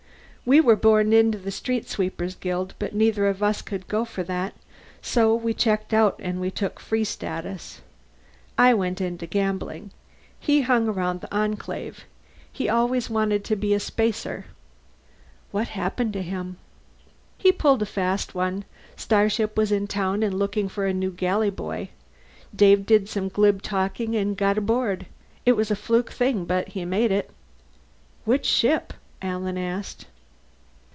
We were born into the street sweepers' guild, but neither of us could go for that, so we checked out and took Free Status. I went into gambling. He hung around the Enclave. He always wanted to be a spacer." "What happened to him?" "He pulled a fast one. Starship was in town and looking for a new galley boy. Dave did some glib talking and got aboard. It was a fluke thing, but he made it." "Which ship?" Alan asked.